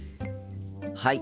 はい。